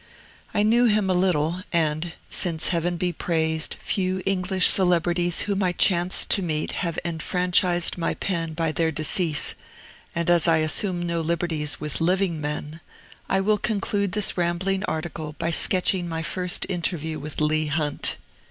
I knew him a little, and (since, Heaven be praised, few English celebrities whom I chanced to meet have enfranchised my pen by their decease, and as I assume no liberties with living men) I will conclude this rambling article by sketching my first interview with Leigh Hunt.